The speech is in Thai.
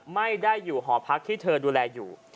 ไม่ได้อยู่หอพักที่เธอดูแลอยู่